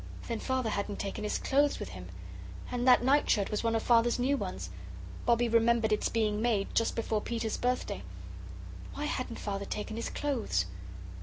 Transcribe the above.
Then Father hadn't taken his clothes with him. And that night shirt was one of Father's new ones. Bobbie remembered its being made, just before Peter's birthday. Why hadn't Father taken his clothes?